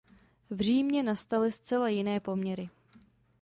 V Římě nastaly zcela jiné poměry.